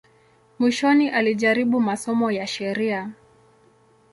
Mwishoni alijaribu masomo ya sheria.